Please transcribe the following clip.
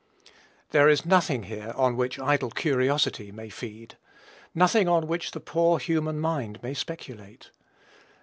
There is nothing here on which idle curiosity may feed, nothing on which the poor human mind may speculate.